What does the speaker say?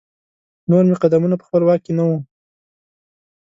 نور مې قدمونه په خپل واک کې نه وو.